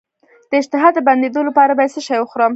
د اشتها د بندیدو لپاره باید څه شی وخورم؟